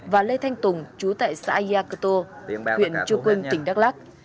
và lê thanh tùng trú tại xã yà cơ tô huyện chu quynh tỉnh đắk lắc